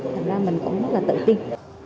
thật ra mình cũng rất là tự tin